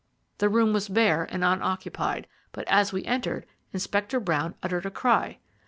The room was bare and unoccupied, but, as we entered, Inspector Brown uttered a cry.